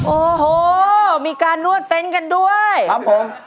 โอ้โหมีการนวดเฟ้นกันด้วยครับผม